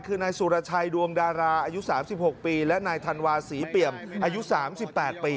คือนายสุรชัยดวงดาราอายุ๓๖ปีและนายธันวาศรีเปี่ยมอายุ๓๘ปี